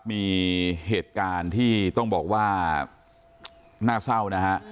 มีเหตุการณ์ที่ต้องบอกว่าน่าเศร้านะฮะ